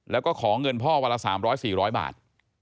แล้วก็ขอเงินพ่อวันละ๓๐๐๔๐๐บาท